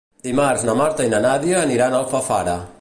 Dimarts na Marta i na Nàdia aniran a Alfafara.